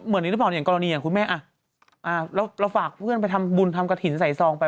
เราฝากเพื่อนเพื่อนไปทำบุญทำกระถิดใส่ซองไป